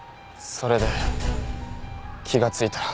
それで気がついたら。